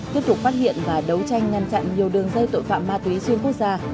tiếp tục phát hiện và đấu tranh ngăn chặn nhiều đường dây tội phạm ma túy xuyên quốc gia